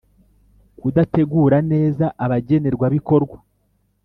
Kudategura neza abagenerwabikorwa